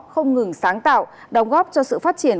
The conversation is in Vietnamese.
không ngừng sáng tạo đóng góp cho sự phát triển